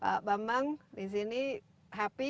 pak bambang di sini happy